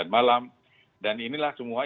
malam dan inilah semua